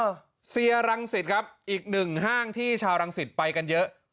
เซียรังสิตครับอีกหนึ่งห้างที่ชาวรังสิตไปกันเยอะ